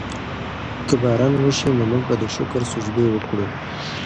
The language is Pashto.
که باران وشي نو موږ به د شکر سجدې وکړو.